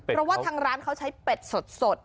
เพราะว่าทางร้านเขาใช้เป็ดสด